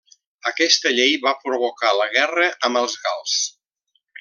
Aquesta llei va provocar la guerra amb els gals.